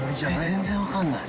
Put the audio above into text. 全然分かんない。